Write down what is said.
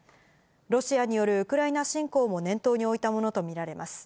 ロシアによるウクライナ侵攻も念頭に置いたものと見られます。